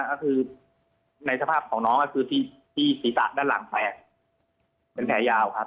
ก็คือในสภาพของน้องก็คือที่ศีรษะด้านหลังแตกเป็นแผลยาวครับ